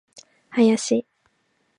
林